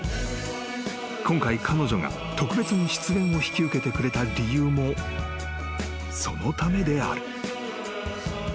［今回彼女が特別に出演を引き受けてくれた理由もそのためである］